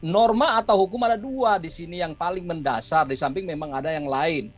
norma atau hukum ada dua di sini yang paling mendasar di samping memang ada yang lain